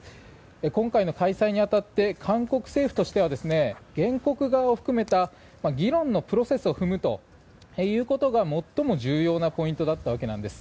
今回の開催に当たって韓国政府としては原告側を含めた議論のプロセスを踏むということが最も重要なポイントだったわけです。